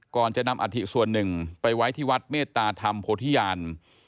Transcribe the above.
ก่อนจะนำอัฐิส่วนหนึ่งไปไว้ที่วัดเมตตาธรรมโพธิญาณ